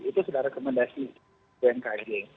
itu sudah rekomendasi bmkg